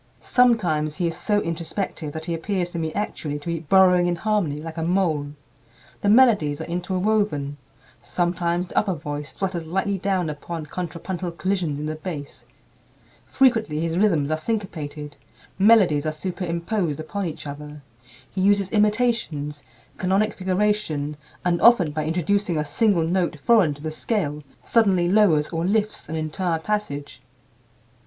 Sometimes he is so introspective that he appears to me actually to be burrowing in harmony like a mole. The melodies are interwoven; sometimes the upper voice flutters lightly down upon "contrapuntal collisions in the bass"; frequently his rhythms are syncopated; melodies are superimposed upon each other; he uses "imitations," canonic figuration, and often by introducing a single note foreign to the scale, suddenly lowers or lifts an entire passage.